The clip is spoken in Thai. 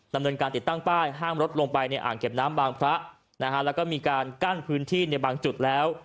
ดำเนินการติดตั้งป้ายห้ามรถลงไปในอ่างเก็บน้ำบางพระนะฮะแล้วก็มีการกั้นพื้นที่ในบางจุดแล้ว